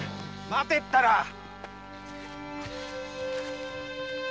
待てったら。